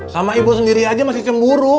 sama ibu sendiri aja masih cemburu